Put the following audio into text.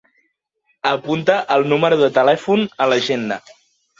Apuntar el número de telèfon a l'agenda.